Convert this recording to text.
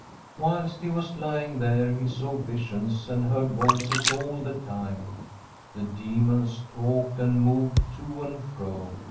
Whilst he was lying there he saw visions and heard voices all the time. The demons talked and moved to and fro.